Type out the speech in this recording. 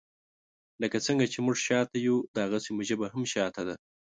لکه څنګه چې موږ شاته یو داغسي مو ژبه هم شاته ده.